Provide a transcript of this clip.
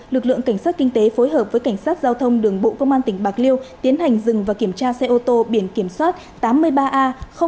lực lượng cảnh sát kinh tế phối hợp với cảnh sát giao thông đường bộ công an tỉnh bạc liêu tiến hành dừng và kiểm tra xe ô tô biển kiểm soát tám mươi ba a năm nghìn ba trăm bảy mươi chín